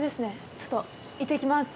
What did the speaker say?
ちょっと行ってきます。